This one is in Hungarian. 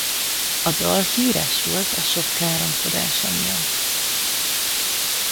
A dal híres volt a sok káromkodása miatt.